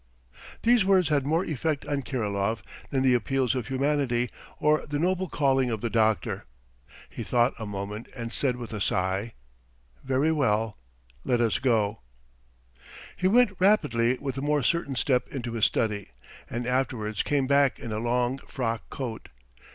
These words had more effect on Kirilov than the appeals to humanity or the noble calling of the doctor. He thought a moment and said with a sigh: "Very well, let us go!" He went rapidly with a more certain step to his study, and afterwards came back in a long frock coat.